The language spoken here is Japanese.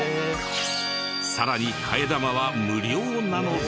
さらに替え玉は無料なのです。